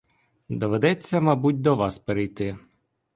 Доведеться, мабуть, до вас перейти.